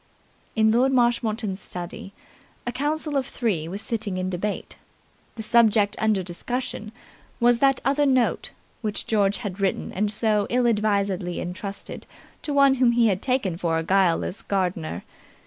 In Lord Marshmoreton's study a council of three was sitting in debate. The subject under discussion was that other note which George had written and so ill advisedly entrusted to one whom he had taken for a guileless gardener.